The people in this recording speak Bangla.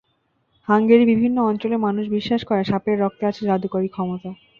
হাঙ্গেরির বিভিন্ন অঞ্চলের মানুষ বিশ্বাস করে সাপের রক্তে আছে জাদুকরি ক্ষমতা।